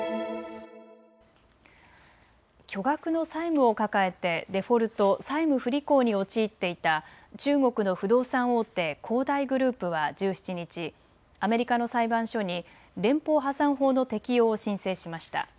巨額の債務を抱えてデフォルト・債務不履行に陥っていた中国の不動産大手、恒大グループは１７日、アメリカの裁判所に連邦破産法の適用を申請しました。